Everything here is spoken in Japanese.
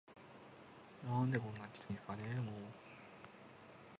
「何でこんなキツいんすかねぇ～も～…」